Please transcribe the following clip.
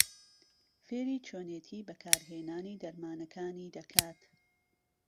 فێری چۆنێتی بهکارهێنانی دهرمانهکانی دهکات.